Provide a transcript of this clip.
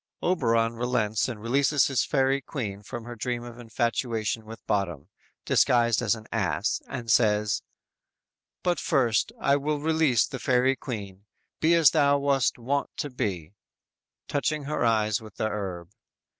"_ Oberon relents and releases his Fairy Queen from her dream of infatuation with Bottom disguised as an ass, and says: "But first, I will release the fairy queen, Be as thou wast wont to be; (Touching her eyes with the herb.)